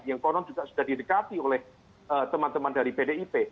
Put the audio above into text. yang konon juga sudah didekati oleh teman teman dari pdip